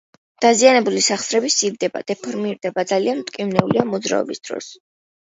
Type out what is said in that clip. დაზიანებული სახსრები სივდება, დეფორმირდება, ძალიან მტკივნეულია მოძრაობის დროს.